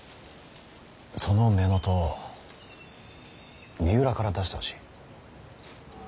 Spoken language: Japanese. その乳母父を三浦から出してほしい。